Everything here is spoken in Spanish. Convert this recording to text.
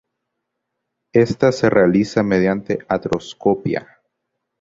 Esta se realiza mediante artroscopia.